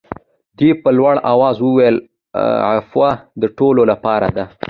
ده په لوړ آواز وویل عفوه د ټولو لپاره ده.